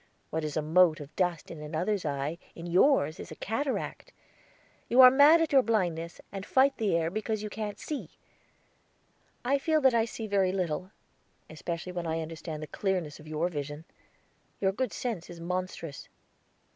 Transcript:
What is a mote of dust in another's eye, in yours is a cataract. You are mad at your blindness, and fight the air because you can't see." "I feel that I see very little, especially when I understand the clearness of your vision. Your good sense is monstrous."